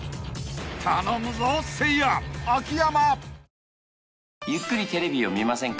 ［頼むぞせいや秋山］